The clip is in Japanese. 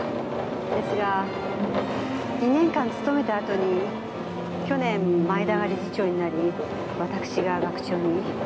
ですが２年間務めたあとに去年前田が理事長になりわたくしが学長に。